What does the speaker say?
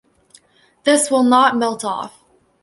This will not melt off.